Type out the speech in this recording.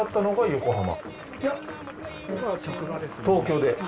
東京で？